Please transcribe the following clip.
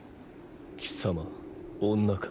貴様女か。